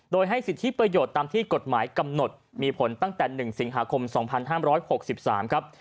โดยให้สิทธิประโยชน์ตามที่กฎหมายกำหนดมีผลตั้งแต่หนึ่งสิงหาคมสองพันห้ามร้อยหกสิบสามครับ